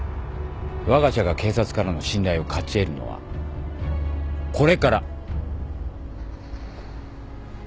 わが社が警察からの信頼を勝ち得るのはこれから。